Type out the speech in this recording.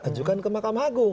ajukan ke mahkamah agung